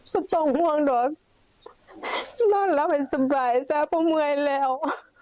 ประตงฮวงดอกนอนแล้วเป็นสบายจ๊ะเพราะเมื่อยแล้ว